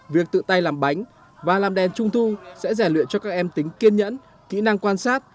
việc tự tay làm bánh và làm đèn trung thu sẽ rèn luyện cho các em tính kiên nhẫn kỹ năng quan sát